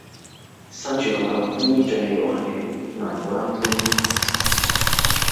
身處個咁烏煙瘴氣嘅環境，難過登天